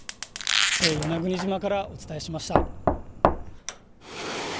与那国島からお伝えしました。